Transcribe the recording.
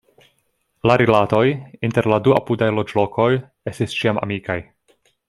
La rilatoj inter la du apudaj loĝlokoj estis ĉiam amikaj.